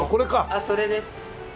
あっそれです！